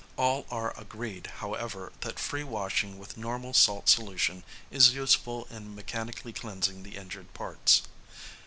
All are agreed, however, that free washing with normal salt solution is useful in mechanically cleansing the injured parts.